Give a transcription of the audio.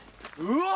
うわ！